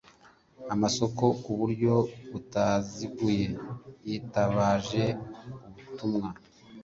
amasoko ku buryo butaziguye yitabaje ubutumwa